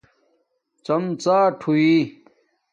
ڎم ڎاٹ ہوئی